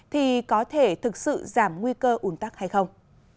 thì có thể thực sự giảm nguy cơ ủn tắc hay không